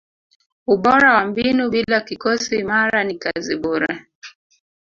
ubora wa mbinu bila kikosi imara ni kazi bure